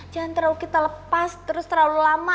jangan terlalu kita lepas terus terlalu lama